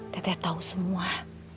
tete tahu semua